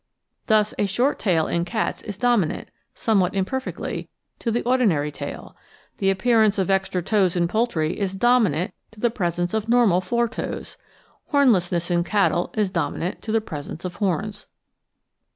Thus a short tail in cats is domi nant (somewhat imperfectly) to the ordinary tail; the appear ance of extra toes in poultry is dominant to the presence of the normal four toes ; homlessness in cattle is dominant to the pres ence of horns.